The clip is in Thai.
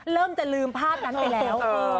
เริ่มจะลืมภาพนั้นไปแล้ว